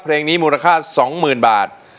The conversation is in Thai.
เพลงนี้มูลค่า๒๐๐๐บาท